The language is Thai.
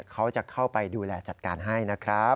เขาจะเข้าไปดูแลจัดการให้นะครับ